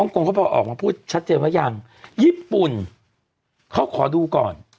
กรงเขาบอกออกมาพูดชัดเจนว่ายังญี่ปุ่นเขาขอดูก่อน